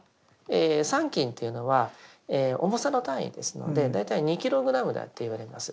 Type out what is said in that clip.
三斤というのは重さの単位ですので大体２ｋｇだといわれます。